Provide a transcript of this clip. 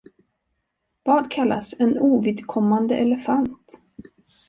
Vad kallas en ovidkommande elefant?